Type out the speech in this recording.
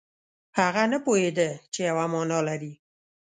هغه نه پوهېده چې یوه معنا لري.